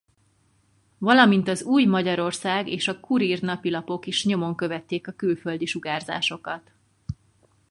Valamint az Új Magyarország és a Kurír napilapok is nyomon követték a külföldi sugárzásokat.